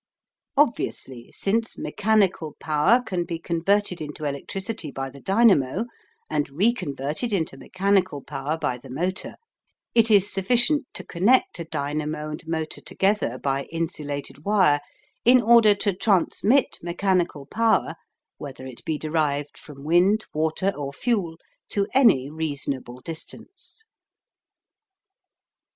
Obviously, since mechanical power can be converted into electricity by the dynamo, and reconverted into mechanical power by the motor, it is sufficient to connect a dynamo and motor together by insulated wire in order to transmit mechanical power, whether it be derived from wind, water, or fuel, to any reasonable distance.